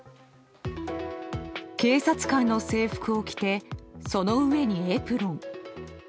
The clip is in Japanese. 警察官の制服を着てその上にエプロン。